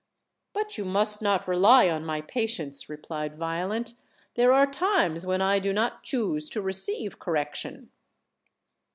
"But you must not rely on my patience," replied Vio lent. "There are times when I do not choose to receive correction."